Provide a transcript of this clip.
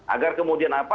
agar kemudian apa